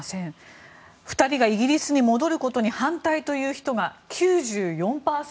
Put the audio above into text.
２人がイギリスに戻ることに反対という人が９４％。